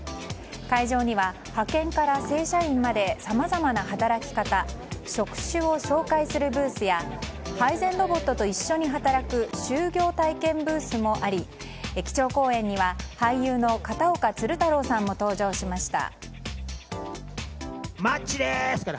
会場には、派遣から正社員までさまざまな働き方職種を紹介するブースや配膳ロボットと一緒に働く就業体験ブースもあり基調講演には、俳優の片岡鶴太郎さんも登場しました。